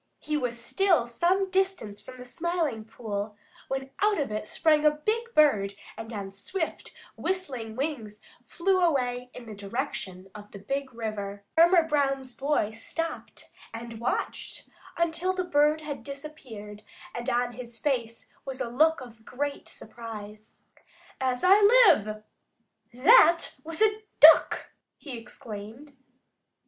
He was still some distance from the Smiling Pool when out of it sprang a big bird and on swift, whistling wings flew away in the direction of the Big River. Farmer Brown's boy stopped and watched until the bird had disappeared, and on his face was a look of great surprise. "As I live, that was a Duck!" he exclaimed.